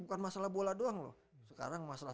bukan masalah bola doang loh sekarang masalah